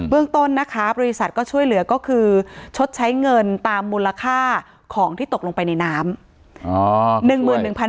เรื่องต้นนะคะบริษัทก็ช่วยเหลือก็คือชดใช้เงินตามมูลค่าของที่ตกลงไปในน้ำ